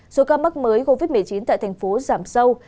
số ca mắc mới covid một mươi chín tại tp hcm giảm sâu